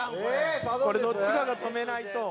「これどっちかが止めないと」